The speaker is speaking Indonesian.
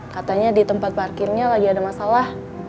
katanya di tempat parkirnya lagi ada masalah